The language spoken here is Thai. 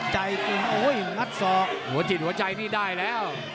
หัวจิตหัวใจนี่ได้แล้ว